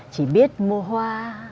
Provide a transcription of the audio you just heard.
chỉ biết mua hoa